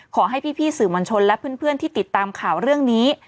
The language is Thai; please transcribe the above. ขอให้พี่สื่อมวลชนและเพื่อนที่ติดตามข่าวเรื่องนี้